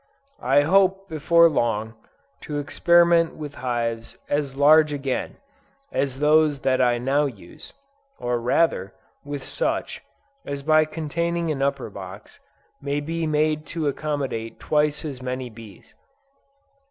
I hope, before long, to experiment with hives as large again, as those that I now use; or rather, with such, as by containing an upper box, may be made to accommodate twice as many bees.